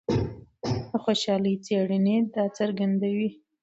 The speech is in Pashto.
د خوشحالۍ څېړنې دا څرګندوي.